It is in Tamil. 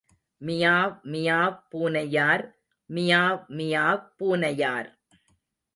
மியாவ் மியாவ் பூனையார் மியாவ் மியாவ் பூனையார்.